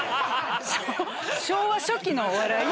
昭和初期のお笑い？